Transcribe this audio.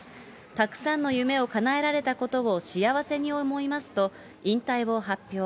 たくさんの夢をかなえられたことを幸せに思いますと、引退を発表。